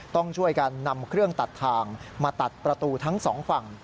ต้องช่วยกันนำเครื่องตัดทางมาตัดประตูทั้งสองฝั่ง